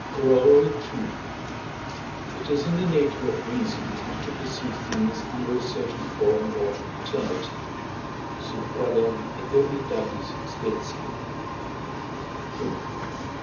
Corollary II. It is in the nature of reason to perceive things under a certain form of eternity (sub quâdam æternitatis specie). Proof.